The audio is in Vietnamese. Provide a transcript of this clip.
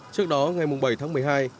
trước đó ngày bảy tháng một mươi hai